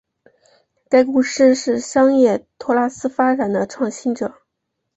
该公司是商业托拉斯发展的创新者。